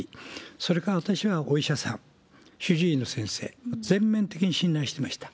それから私は、お医者さん、主治医の先生、全面的に信頼してました。